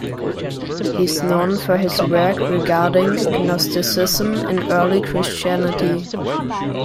He is known for his work regarding Gnosticism in early Christianity.